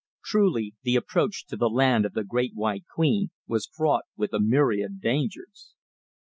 Truly the approach to the Land of the Great White Queen was fraught with a myriad dangers.